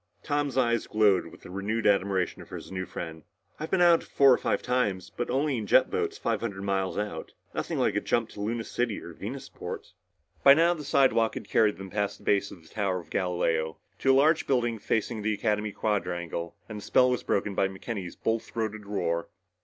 Tom's eyes glowed with renewed admiration for his new friend. "I've been out four or five times but only in jet boats five hundred miles out. Nothing like a jump to Luna City or Venusport." By now the slidewalk had carried them past the base of the Tower of Galileo to a large building facing the Academy quadrangle and the spell was broken by McKenny's bull throated roar.